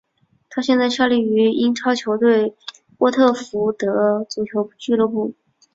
他现在效力于英超球队沃特福德足球俱乐部。